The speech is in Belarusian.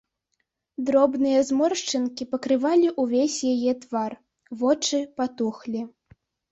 Дробныя зморшчынкі пакрывалі ўвесь яе твар, вочы патухлі.